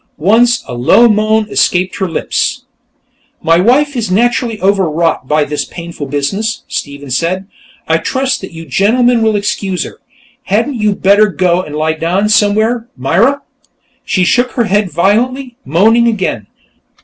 Once a low moan escaped from her lips. "My wife is naturally overwrought by this painful business," Stephen said. "I trust that you gentlemen will excuse her.... Hadn't you better go and lie down somewhere, Myra?" She shook her head violently, moaning again.